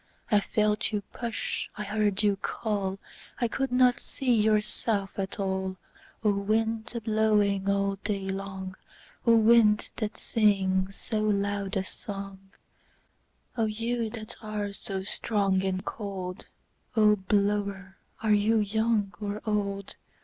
I felt you push, I heard you call,I could not see yourself at all—O wind, a blowing all day long,O wind, that sings so loud a songO you that are so strong and cold,O blower, are you young or old?